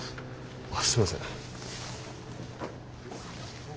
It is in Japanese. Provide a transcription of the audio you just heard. あっすいません。